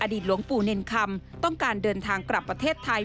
หลวงปู่เน่นคำต้องการเดินทางกลับประเทศไทย